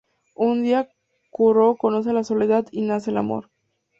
Un día Curro conoce a Soledad y nace el amor.